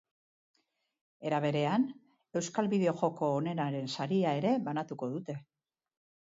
Era berean, euskal bideojoko onenaren saria ere banatuko dute.